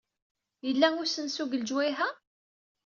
Yella usensu deg lejwayeh-a?